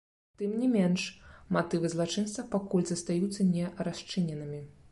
Тым не менш, матывы злачынца пакуль застаюцца не расчыненымі.